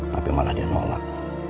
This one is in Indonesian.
tapi malah dia nolak